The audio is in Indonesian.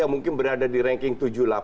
mungkin berada di ranking tujuh delapan